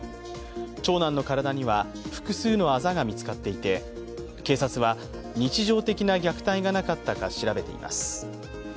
長男の体には複数のあざが見つかっていて警察は、日常的な虐待がなかったか調べています。